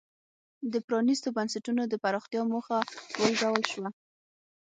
د پرانیستو بنسټونو د پراختیا موخه ولګول شوه.